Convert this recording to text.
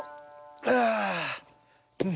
ああ。